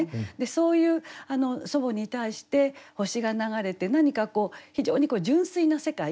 そういう祖母に対して星が流れて何かこう非常に純粋な世界。